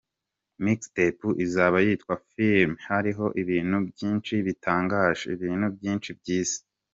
MixTape izaba yitwa Filime hariho ibintu byinshi bitangaje, ibintu byinshi byiza.